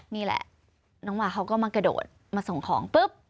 นี่แหละน้องวาเขาก็มากระโดดมาส่งของปุ๊บ